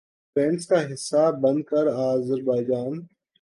trends کا حصہ بن کر آذربائیجان